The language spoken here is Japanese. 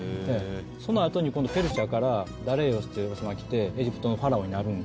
そのあとに今度ペルシャからダレイオスって王様が来てエジプトのファラオになる。